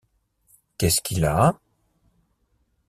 Qu’est-ce qu’il a ?